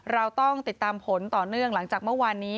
เราต้องติดตามผลต่อเนื่องหลังจากเมื่อวานนี้